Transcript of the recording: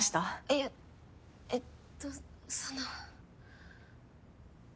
いやえっとその。